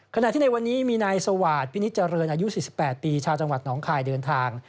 ขณะที่ในวันนี้มีนายสวาสพินิษเจริญอายุ๔๘ปีชาวจังหวัดหนองคายเดินทาง